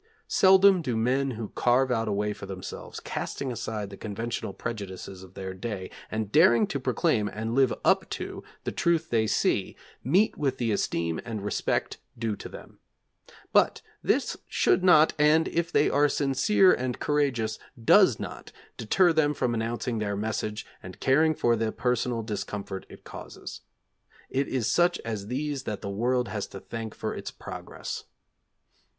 Seldom do men who carve out a way for themselves, casting aside the conventional prejudices of their day, and daring to proclaim, and live up to, the truth they see, meet with the esteem and respect due to them; but this should not, and, if they are sincere and courageous, does not, deter them from announcing their message and caring for the personal discomfort it causes. It is such as these that the world has to thank for its progress.